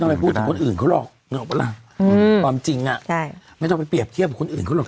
ไม่ต้องไปพูดถึงคนอื่นเขาหรอกความจริงไม่ต้องไปเปรียบเทียบกับคนอื่นเขาหรอก